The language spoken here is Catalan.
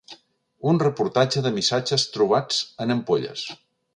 Un reportatge de missatges trobats en ampolles.